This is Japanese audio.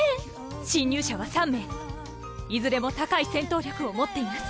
侵入者は３名いずれも高い戦闘力を持っています。